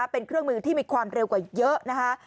เป็นเครื่องมือที่มีความเร็วกว่าเยอะนะคะ